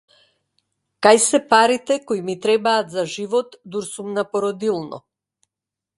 Кај се парите кои ми требаат за живот дур сум на породилно.